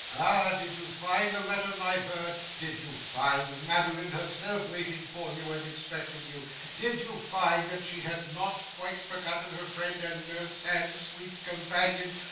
Ah! Did you find the letter, my bird? Did you find Madeline herself, waiting for you and expecting you? Did you find that she had not quite forgotten her friend and nurse and sweet companion?